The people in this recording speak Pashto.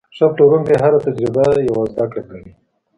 ښه پلورونکی هره تجربه یوه زده کړه ګڼي.